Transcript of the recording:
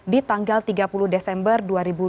di tanggal tiga puluh desember dua ribu dua puluh